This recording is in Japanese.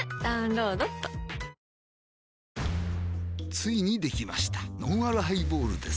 ついにできましたのんあるハイボールです